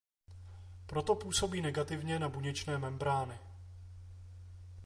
Proto působí negativně na buněčné membrány.